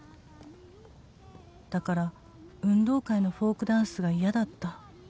「だから運動会のフォークダンスが嫌だった」